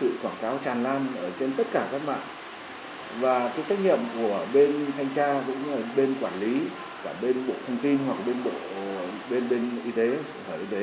chị có một câu hỏi lớn đặt ra lúc này